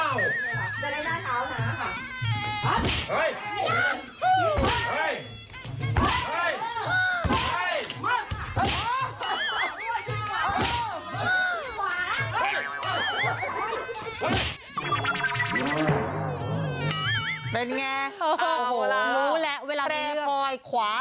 เฮ้ยมันกินไปเหรอมันกินไปอยู่แล้วเปล่า